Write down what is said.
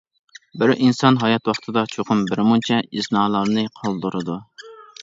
بىر ئىنسان ھايات ۋاقتىدا چوقۇم بىرمۇنچە ئىزنالارنى قالدۇرىدۇ.